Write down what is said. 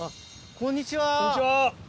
こんにちは。